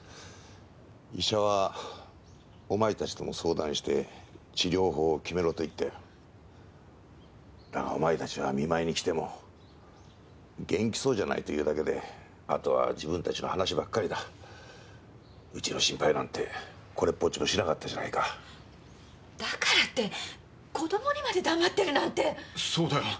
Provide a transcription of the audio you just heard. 医者はお前たちとも相談して治療法を決めろと言ったよだがお前たちは見舞いに来ても「元気そうじゃない」と言うだけであとは自分たちの話ばっかりだうちの心配なんてこれっぽっちもしなかったじゃないかだからって子どもにまで黙ってるなんてそうだよ